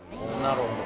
なるほど。